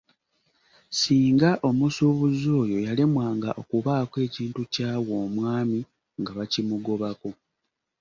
Singa omusuubuzi oyo yalemwanga okubaako ekintu ky’awa omwami nga bakimugobako.